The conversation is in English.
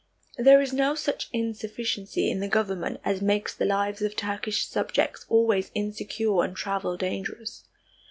There is no such inefficiency in the government as makes the lives of Turkish subjects always insecure and travel dangerous.